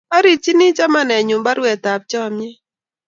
Asirchini chamanenyu parwet ap chamyet